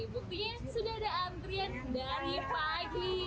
buktinya sudah ada antrian dari pagi